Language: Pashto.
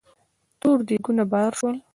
تور دېګونه بار شول.